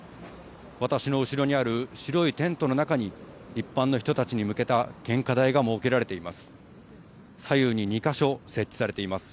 私の後ろにある白いテントの中に、一般の人たちに向けた献花台が設けられています。